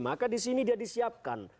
maka di sini dia disiapkan